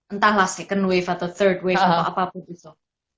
entahlah second wave atau third wave apa apa